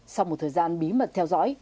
sau một thời gian bí mật theo dõi